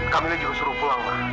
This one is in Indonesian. kamila juga suruh pulang ma